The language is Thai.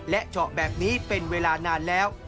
เจาะแบบนี้เป็นเวลานานแล้ว